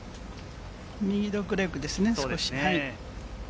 右ドッグレッグですね、少し。